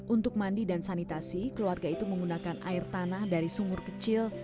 untuk mandi dan sanitasi keluarga itu menggunakan air tanah dari sumur kecil